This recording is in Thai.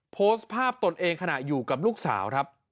โพสต์ภาพตนเองขณะอยู่กับลูกสาวครับ